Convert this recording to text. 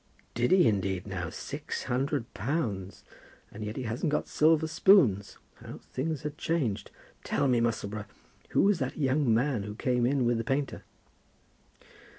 "Did he indeed, now? Six hundred pounds! And yet he hasn't got silver spoons. How things are changed! Tell me, Musselboro, who was that young man who came in with the painter?"